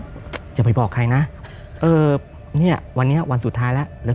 หย่อจนไปบอกใครนะวันสุดท้ายแล้ว